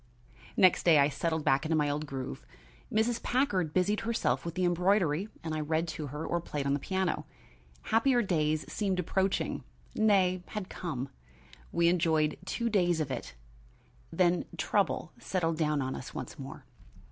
Next day I settled back into my old groove. Mrs. Packard busied herself with her embroidery and I read to her or played on the piano. Happier days seemed approaching, nay, had come. We enjoyed two days of it, then trouble settled down on us once more.